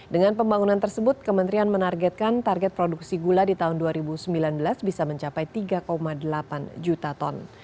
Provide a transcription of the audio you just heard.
dengan pembangunan tersebut kementerian menargetkan target produksi gula di tahun dua ribu sembilan belas bisa mencapai tiga delapan juta ton